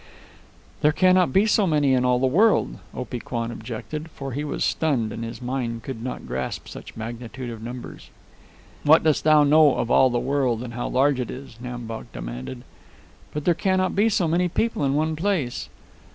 "There cannot be so many people in all the world," Opee Kwan objected, for he was stunned and his mind could not grasp such magnitude of numbers. "What dost thou know of all the world and how large it is?" Nam Bok demanded. "But there cannot be so many people in one place."